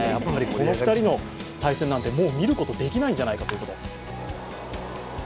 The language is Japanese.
この２人の対戦なんてもう見ることできないんじゃないかということ。